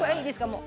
もう。